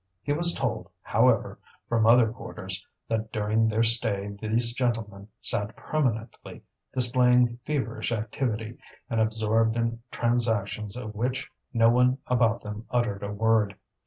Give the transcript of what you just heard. He was told, however, from other quarters that during their stay these gentlemen sat permanently, displaying feverish activity, and absorbed in transactions of which no one about them uttered a word.